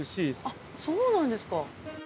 あそうなんですか。